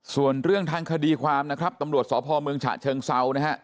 ส่วนเรื่องทางคดีความนะครับตำรวจสพเมืองฉะเชิงเซานะฮะ